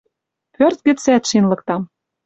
Пӧрт гӹцӓт шин лыктам